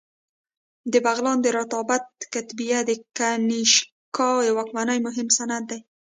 د بغلان د رباطک کتیبه د کنیشکا د واکمنۍ مهم سند دی